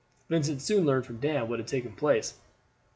Vincent soon learned from Dan what had taken place.